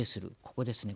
ここですね。